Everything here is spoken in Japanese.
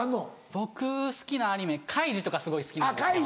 僕好きなアニメ『カイジ』とかすごい好きなんですけど。